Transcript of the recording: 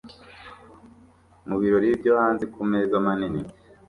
Mubirori byo hanze kumeza manini